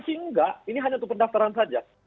sih enggak ini hanya untuk pendaftaran saja